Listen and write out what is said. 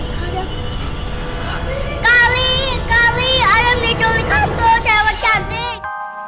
kali kali ayam diculik atau cewek cantik